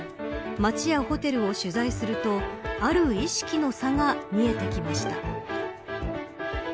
街やホテルを取材するとある意識の差が見えてきました。